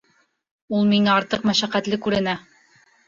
Ул миңә артыҡ мәшәҡәтле күренә.